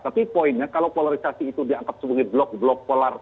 tapi poinnya kalau polarisasi itu dianggap sebagai blok blok polar